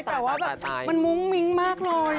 แต่ว่าแบบมันมุ้งมิ้งมากเลย